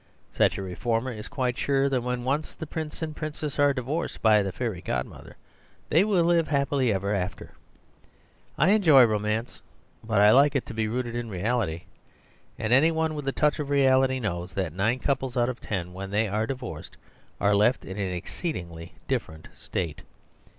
Such a reformer is quite sure that when once the prince and princess are divorced by the fairy godmother, they will live happily ever after. I enjoy romance, but I like it to be rooted in reality; and any one with a touch of reality knows that nine couples out of ten, when they are divorced, are left in an exceed ingly different state.